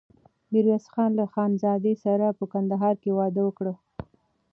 ميرويس خان له خانزادې سره په کندهار کې واده وکړ.